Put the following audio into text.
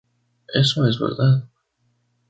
Eso es verdad.